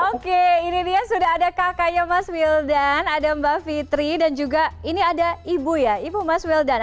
oke ini dia sudah ada kakaknya mas wildan ada mbak fitri dan juga ini ada ibu ya ibu mas wildan